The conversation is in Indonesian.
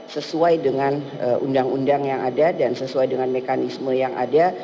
sesuai dengan undang undang yang ada dan sesuai dengan mekanisme yang ada